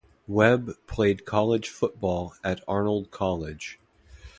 Webb played college football at Arnold College.